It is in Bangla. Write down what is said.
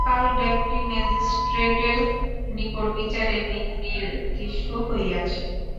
কাল ডেপুটি ম্যাজিস্ট্রেটের নিকট বিচারের দিন নির্দিষ্ট হইয়াছে।